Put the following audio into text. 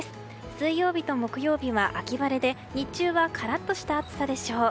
水曜日と木曜日は秋晴れで日中はカラッとした暑さでしょう。